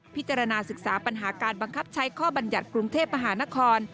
พิจารณาศึกษาปัญหาการบังคับใช้ข้อบรรยัติกรุงเทพมหานคร